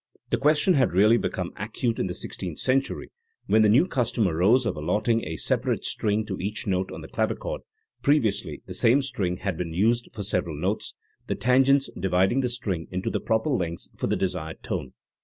The question had really become acute in the sixteenth century, when the new custom arose of allotting a separate string to each note on the clavichord; previously the same string had been used for several notes, the tangents dividing the string into the proper length for the desired tone.